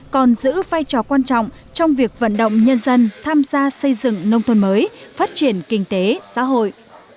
còn giữ vai trò quan trọng trong việc vận động nhân dân tham gia xây dựng nông thôn mới phát triển kinh tế xã hội